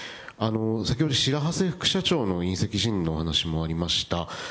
先ほど、白波瀬副社長の引責辞任の話もありました。